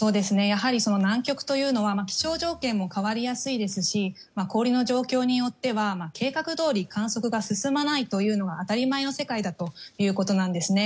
やはり南極というのは気象条件も変わりやすいですし氷の状況によっては計画どおり観測が進まないというのは当たり前の世界だということです。